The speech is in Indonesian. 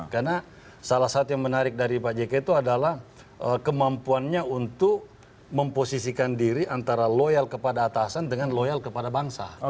karena salah satu yang menarik dari pak jk itu adalah kemampuannya untuk memposisikan diri antara loyal kepada atasan dengan loyal kepada bangsa